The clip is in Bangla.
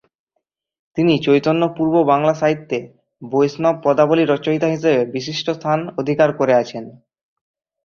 তিনি চৈতন্য-পূর্ব বাংলা সাহিত্যে বৈষ্ণব পদাবলী রচয়িতা হিসেবে বিশিষ্ট স্থান অধিকার করে আছেন।